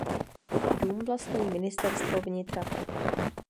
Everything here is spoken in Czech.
Dům vlastní Ministerstvo vnitra.